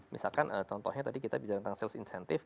misalkan contohnya tadi kita bicara tentang sales incentive